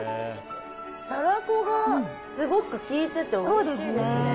たらこがすごく効いてておいしいですね。